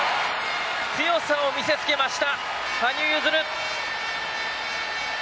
強さを見せつけました羽生結弦！